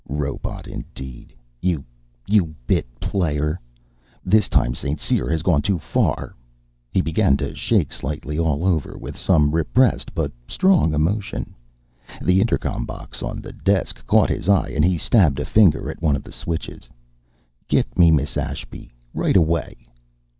"Robot indeed, you you bit player! This time St. Cyr has gone too far." He began to shake slightly all over, with some repressed but strong emotion. The intercom box on the desk caught his eye, and he stabbed a finger at one of the switches. "Get me Miss Ashby! Right away!"